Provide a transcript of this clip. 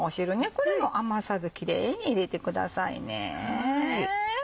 これも余さずキレイに入れてくださいね。